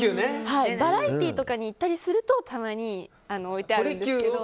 バラエティーとかに行ったりするとたまに置いてあるんですけど。